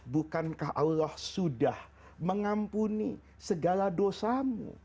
bukankah allah sudah mengampuni segala dosamu